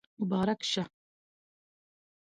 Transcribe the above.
مبارک شه